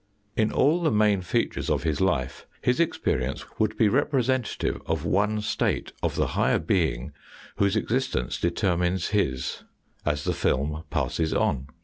In all the main features of his life his experience would be repre sentative of one state of the higher being whose existence determines his as the film passes on.